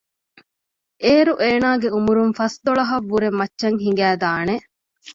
އޭރު އޭނާގެ ޢުމުރުން ފަސްދޮޅަހަށް ވުރެން މައްޗަށް ހިނގައި ދާނެ